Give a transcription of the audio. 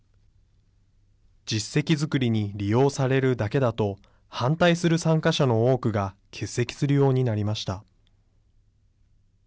実績作りに利用されるだけだと、反対する参加者の多くが欠席するようになりました。